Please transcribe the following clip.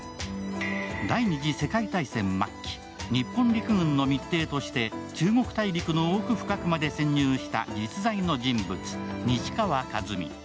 第二次世界大戦末期、日本陸軍の密偵として中国大陸の奥深くまで潜入した実在の人物、西川一三。